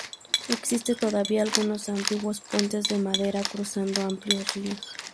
Existen todavía algunos antiguos puentes de madera cruzando amplios ríos.